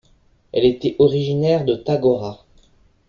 Elle était originaire de Thagora.